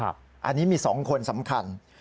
อันนี้มี๒คนสำคัญ